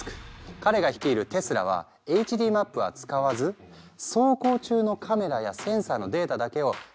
彼が率いるテスラはＨＤマップは使わず走行中のカメラやセンサーのデータだけを車内のＡＩが解析。